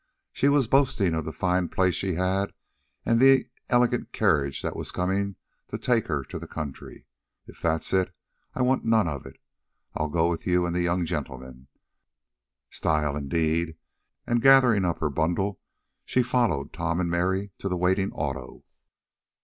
She was boastin' of the fine place she had, an' th' illigant carriage that was comin' t' take her to the counthry. If that's it I want none of it! I'll go wid you an' th' young gintleman. Style indade!" and, gathering up her bundle she followed Tom and Mary to the waiting auto.